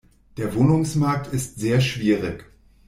Der Wohnungsmarkt ist sehr schwierig.